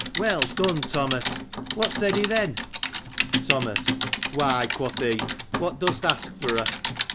— Well done, Thomas ; what said he then ? Thomas. — Why, quoth he, what dost ask for her?